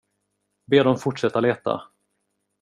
Be dem fortsätta leta.